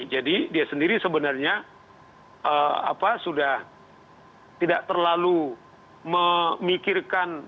jadi dia sendiri sebenarnya sudah tidak terlalu memikirkan